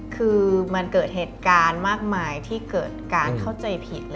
คือมันเกิดเหตุการณ์มากมายที่เกิดการเข้าใจผิด